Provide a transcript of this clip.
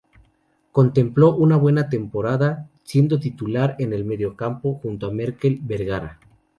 Completó una buena temporada siendo titular en el mediocampo junto a Markel Bergara.